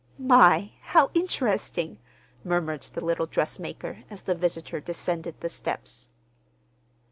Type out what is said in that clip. "My, how interesting!" murmured the little dressmaker, as the visitor descended the steps.